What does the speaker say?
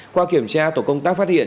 qua kiểm tra tổ công tác phát hiện